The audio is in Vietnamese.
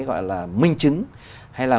gọi là minh chứng hay là